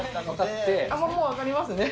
ああ、もう分かりますね。